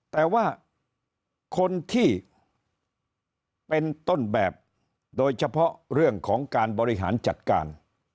แต่ว่าคนที่เป็นต้นแบบโดยเฉพาะเรื่องของการบริหารจัดการ